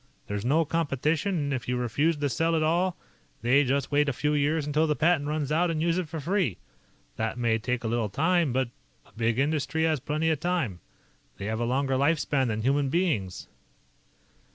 There's no competition, and if you refuse to sell it at all, they just wait a few years until the patent runs out and use it for free. That may take a little time, but a big industry has plenty of time. They have a longer life span than human beings."